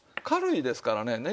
軽いですからね。